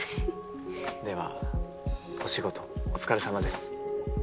ではお仕事お疲れさまです。